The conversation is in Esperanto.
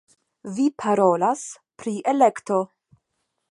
Vi parolas pri elekto!